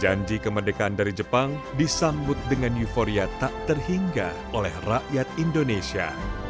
janji kemerdekaan dari jepang disambut dengan euforia tak terhingga oleh rakyat indonesia